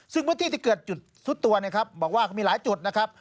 ซึ่งพื้นที่ที่เกิดจุดซุดตัวนะครับบอกว่าก็มีหลายจุดนะครับ